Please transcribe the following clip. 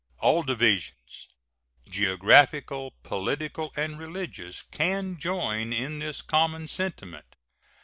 All divisions geographical, political, and religious can join in this common sentiment.